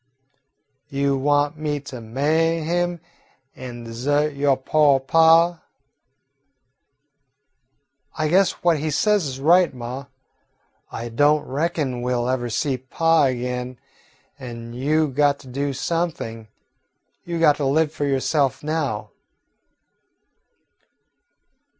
"You want me to ma'y him an' desert yo' po' pa?" "I guess what he says is right, ma. I don't reckon we 'll ever see pa again an' you got to do something. You got to live for yourself now."